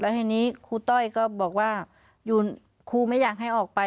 ทีนี้ครูต้อยก็บอกว่าครูไม่อยากให้ออกไป